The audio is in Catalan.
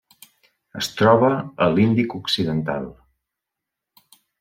Es troba a l'Índic occidental.